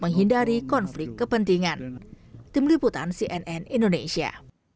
menghindari konflik kepentingan tim liputan cnn indonesia